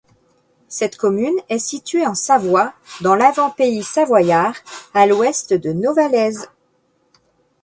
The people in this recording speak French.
Cette commune est située en Savoie, dans l'Avant-Pays savoyard, à l'ouest de Novalaise.